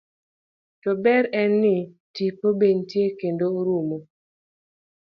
To ber en ni tipo betie kendo rumo